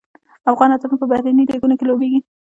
افغان اتلان په بهرنیو لیګونو کې لوبیږي.